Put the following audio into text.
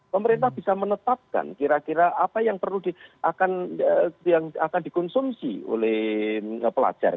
pemerintah bisa menetapkan kira kira apa yang akan dikonsumsi oleh pelajar